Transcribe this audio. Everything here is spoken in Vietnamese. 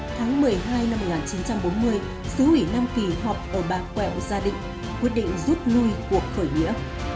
tháng một mươi hai năm một nghìn chín trăm bốn mươi sứ ủy nam kỳ họp ở bạc quẹo gia đình quyết định giúp nuôi cuộc khởi nghĩa